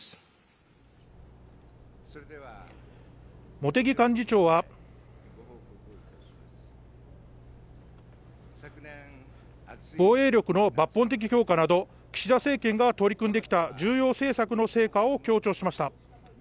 茂木幹事長は防衛力の抜本強化など岸田政権が取り組んできた重要政策の成果を強調しました。